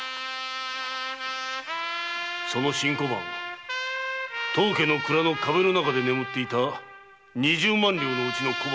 その新小判当家の蔵の壁の中で眠っていた二十万両のうちの小判。